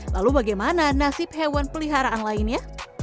lalu bagaimana nasib hewan peliharaan lainnya